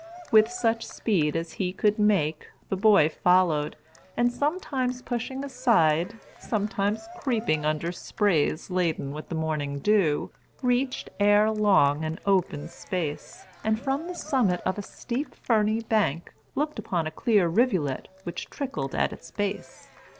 With such speed as he could make, the boy followed, and sometimes pushing aside, sometimes creeping under sprays laden with the morning dew, reached, ere long, an open space, and from the summit of a steep, ferny bank, looked upon a clear rivulet which trickled at its base.